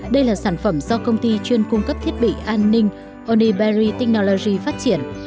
đây là sản phẩm do công ty chuyên cung cấp thiết bị an ninh oniberry technology phát triển